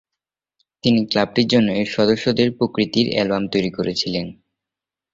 তিনি ক্লাবটির জন্য এর সদস্যদের প্রতিকৃতির অ্যালবাম তৈরি করেছিলেন।